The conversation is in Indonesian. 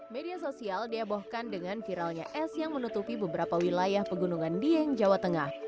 media sosial dihebohkan dengan viralnya es yang menutupi beberapa wilayah pegunungan dieng jawa tengah